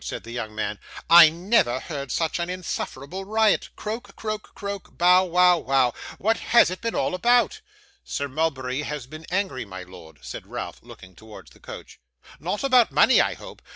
said the young man. 'I neyver heard such an insufferable riot. Croak, croak, croak. Bow, wow, wow. What has it all been about?' 'Sir Mulberry has been angry, my Lord,' said Ralph, looking towards the couch. 'Not about money, I hope?